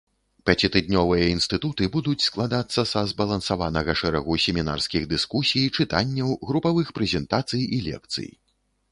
Пяцітыднёвыя інстытуты будуць складацца са збалансаванага шэрагу семінарскіх дыскусій, чытанняў, групавых прэзентацый і лекцый.